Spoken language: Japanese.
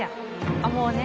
あっもうね。